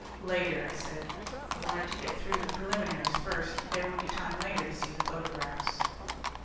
"Later," I said. I wanted to get through the preliminaries first. There would be time later to see the photographs.